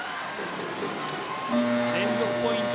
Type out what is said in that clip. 連続ポイント